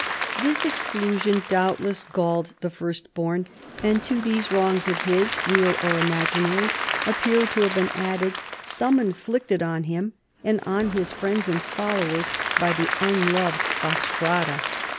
This exclusion doubtless galled the firstborn ; and to these wrongs of his, real or imaginary, appear to have been added some inflicted on him and on his friends and followers by the unloved Fastrada.